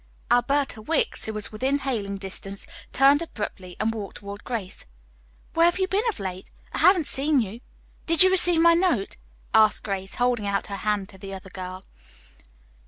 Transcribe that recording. Alberta Wicks, who was within hailing distance, turned abruptly and walked toward Grace. "Where have you been of late? I haven't seen you. Did you receive my note?" asked Grace, holding out her hand to the other girl.